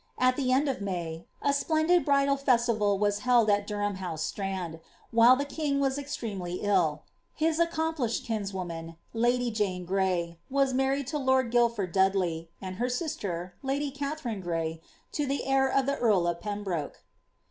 At the en4of May, aapleBfid, lifudal festival was held at Durham House, Stnmd, while the hSag «aa extremely ill; his accomplished kinswoman, lady JaaeiGniy, was sww lied tQ lord Guildford Dudley, and hfr sinter, My Kjatharipit Gmy, to tke heir of the eari of Pembroke.